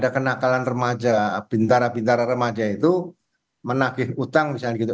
kenakalan remaja bintara bintara remaja itu menagih utang misalnya gitu